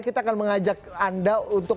kita akan mengajak anda untuk